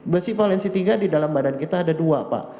besi valensi tiga di dalam badan kita ada dua pak